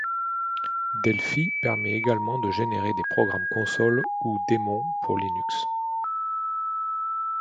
Delphi permet également de générer des programmes console ou démons pour Linux.